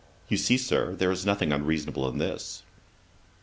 You see, Sir, there is nothing unreasonable in this.'